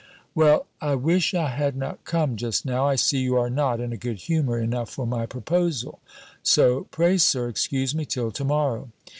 "Well, I wish I had not come just now! I see you are not in a good humour enough for my proposal. So, pray, Sir, excuse me till to morrow."